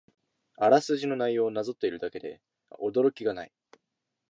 あらすじの内容をなぞっているだけで驚きがない